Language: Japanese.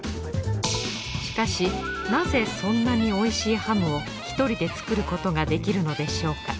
しかしなぜそんなにおいしいハムを１人で作ることができるのでしょうか？